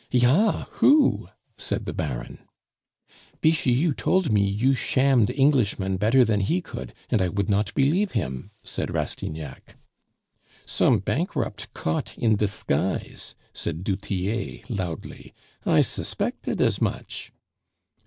"Ja who?" said the Baron. "Bixiou told me you shammed Englishman better than he could, and I would not believe him," said Rastignac. "Some bankrupt caught in disguise," said du Tillet loudly. "I suspected as much!"